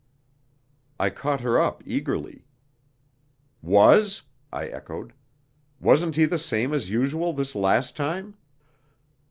I caught her up eagerly. "Was?" I echoed. "Wasn't he the same as usual this last time?"